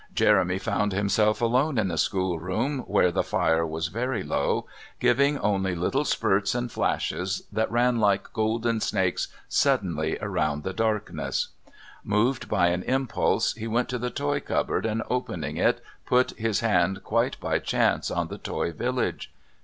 Jeremy found himself alone in the schoolroom, where the fire was very low, giving only little spurts and flashes that ran like golden snakes suddenly through the darkness. Moved by an impulse, he went to the toy cupboard and, opening it, put his hand quite by chance on the toy village.